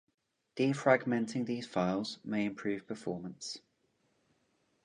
Defragmenting these files may improve performance.